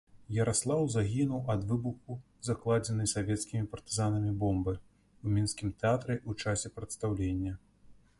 Яраслаў загінуў ад выбуху закладзенай савецкімі партызанамі бомбы, у мінскім тэатры ў часе прадстаўлення.